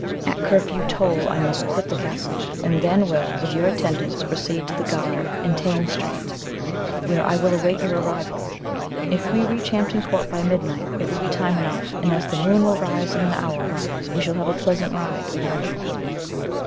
At curfew toll I must quit the castle, and will then, with your attendants proceed to the Garter, in Thames Street, where I will await your arrival. If we reach Hampton Court by midnight, it will be time enough, and as the moon will rise in an hour, we shall have a pleasant ride."